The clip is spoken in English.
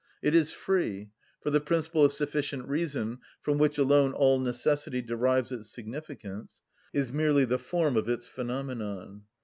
It is free; for the principle of sufficient reason, from which alone all necessity derives its significance, is merely the form of its phenomenon.